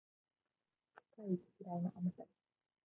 世界一キライなあなたに